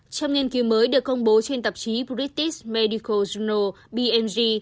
trong nghiên cứu mới được công bố trên tạp chí british medical journal bmg